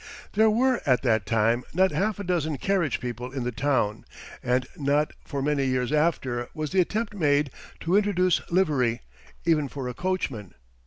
There were at that time not half a dozen "carriage" people in the town; and not for many years after was the attempt made to introduce livery, even for a coachman.